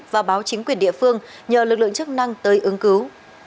và báo chính quyền địa phương nhờ lực lượng chức năng tới ứng cứu